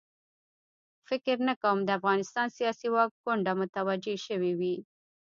فکر نه کوم د افغانستان سیاسي واک کونډه متوجه شوې وي.